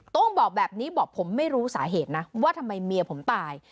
้งบอกแบบนี้บอกผมไม่รู้สาเหตุนะว่าทำไมเมียผมตาย